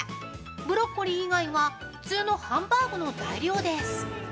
ブロッコリー以外は普通のハンバーグの材料です。